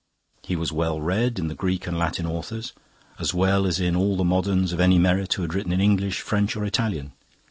He was well read in the Greek and Latin authors, as well as in all the moderns of any merit who had written in English, French, or Italian.